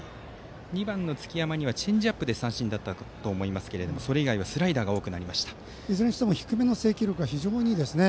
２番の月山にはチェンジアップで三振だったと思いますがそれ以外はスライダーがいずれにしても低めの制球力が非常にいいですね。